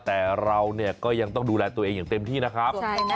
แต่เราเนี่ยก็ยังต้องดูแลตัวเองอย่างเต็มที่นะครับ